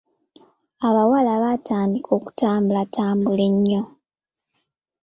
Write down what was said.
Abawala baatandika okutambulatambula ennyo.